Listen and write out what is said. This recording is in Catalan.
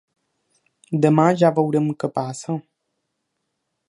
Demà ja veurem què passa.